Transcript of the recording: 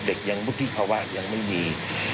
เด็กพืชภาวะยังไม่มี